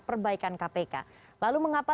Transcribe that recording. perbaikan kpk lalu mengapa